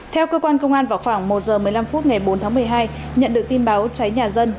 theo cơ quan công an vào khoảng một h một mươi năm phút ngày bốn tháng một mươi hai nhận được tin báo cháy nhà dân